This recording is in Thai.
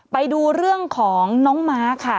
ไปดูเรื่องของน้องม้าค่ะ